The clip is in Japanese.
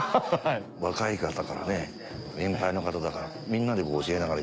若い方から年配の方とかみんなで教えながら。